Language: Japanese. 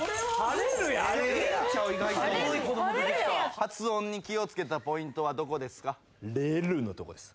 発音に気を付けたポイントはどこですか？